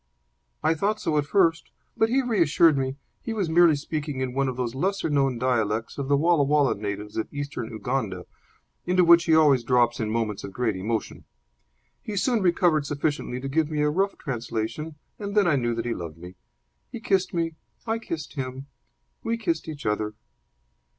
"I thought so at first. But he reassured me. He was merely speaking in one of the lesser known dialects of the Walla Walla natives of Eastern Uganda, into which he always drops in moments of great emotion. He soon recovered sufficiently to give me a rough translation, and then I knew that he loved me. He kissed me. I kissed him. We kissed each other."